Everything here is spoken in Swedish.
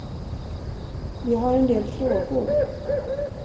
Vi har en del frågor.